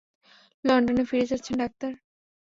লন্ডনে ফিরে যাচ্ছেন, ডাক্তার?